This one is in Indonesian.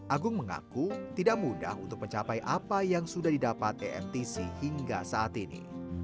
agung mengaku tidak mudah untuk mencapai apa yang sudah didapat emtc hingga saat ini